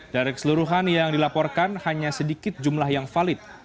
dari keseluruhan yang dilaporkan hanya sedikit jumlah yang valid